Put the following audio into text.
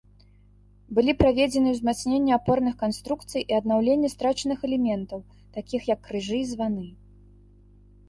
Былі праведзены ўзмацненне апорных канструкцый і аднаўленне страчаных элементаў, такіх як крыжы і званы.